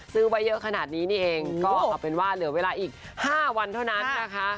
ซื้อไว้เยอะขนาดนี้นี่เองก็เอาเป็นว่าเหลือเวลาอีก๕วันเท่านั้นนะคะ